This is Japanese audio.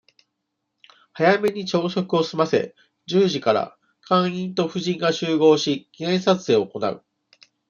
早めに朝食を済ませ、十時から、館員と夫人が集合し、記念撮影を行う。